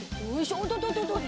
おととと。